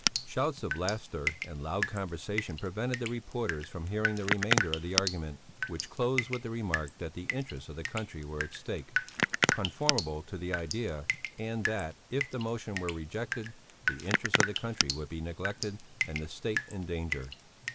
Shouts of laughter and loud conversation prevented the reporters from hearing the remainder of the argument, which closed with the remark that the interests of the country were at stake, conformable to the idea, and that, if the motion were rejected the interests of the country would be neglected and the State in danger.